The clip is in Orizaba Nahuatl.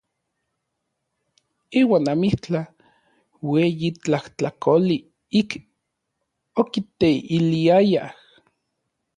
Iuan amitlaj ueyi tlajtlakoli ik okiteiliayaj.